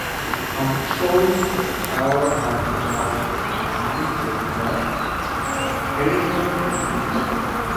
He controlled the tower of Dol and commanded the garrison in the city.